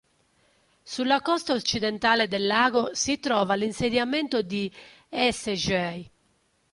Sulla costa occidentale del lago si trova l'insediamento di Essej.